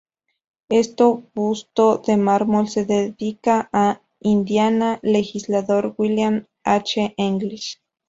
Este busto de mármol se dedica a Indiana legislador William H. English.